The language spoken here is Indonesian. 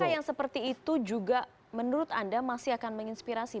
apakah yang seperti itu juga menurut anda masih akan menginspirasi